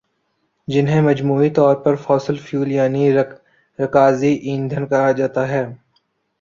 جنہیں مجموعی طور پر فوسل فیول یعنی رکازی ایندھن کہا جاتا ہے